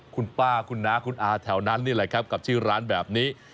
คุณป้าคุณน้าคุณอาแถวนั้นนี่แหละครับกับชื่อร้านแบบนี้